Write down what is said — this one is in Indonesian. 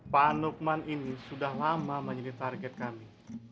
pak nukman ini sudah lama menjadi target kami